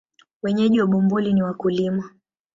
Wenyeji wa Bumbuli ni wakulima.